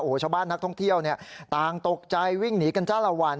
ชาวบ้านนักท่องเที่ยวต่างตกใจวิ่งหนีกันจ้าละวัน